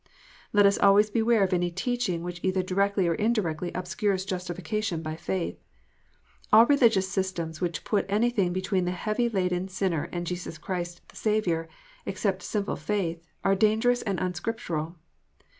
Let us always beware of any teaching which either directly or indirectly obscures justification by faith. All religious systems which put anything between the heavy laden sinner and Jesus Christ the Saviour, except simple faith, are dangerous and unscriptural.